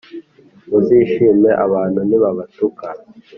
Muzishime abantu nibabatuka.